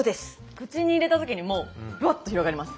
口に入れた時にもうバッと広がります。